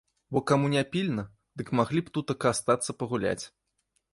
Бо каму не пільна, дык маглі б тутака астацца пагуляць.